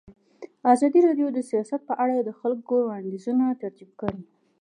ازادي راډیو د سیاست په اړه د خلکو وړاندیزونه ترتیب کړي.